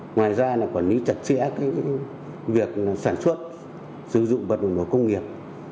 ngoài ra quản lý chặt chẽ việc sản xuất sử dụng vật liệu nổ công nghiệp